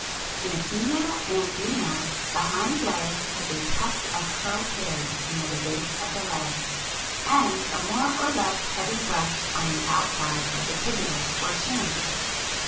In a female Andrena, the hind leg has a tuft of curled hairs near the base of the leg, and a more or less heavy brush on the outside of the tibia or shin (fig.